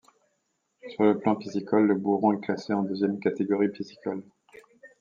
Sur le plan piscicole, le Bouron est classé en deuxième catégorie piscicole.